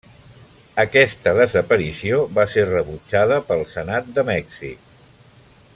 Aquesta desaparició va ser rebutjada pel Senat de Mèxic.